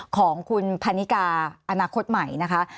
ของคุณพันนิกาอนาคตใหม่นะคะ